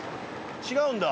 違うんだ。